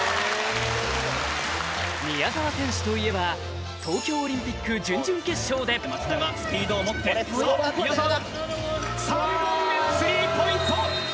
宮澤選手といえば東京オリンピック準々決勝で町田がスピードを持って宮澤３本目スリーポイント！